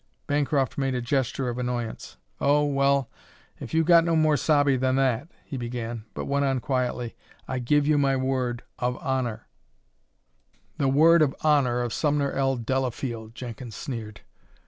Bancroft made a gesture of annoyance. "Oh, well, if you've got no more sabe than that " he began, but went on quietly, "I give you my word of honor " "The word of honor of Sumner L. Delafield!" Jenkins sneered.